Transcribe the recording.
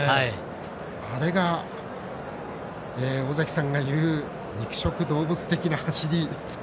あれが尾関さんが言う肉食動物的な走り。